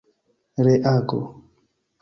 reago